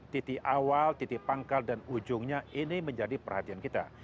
titik awal titik pangkal dan ujungnya ini menjadi perhatian kita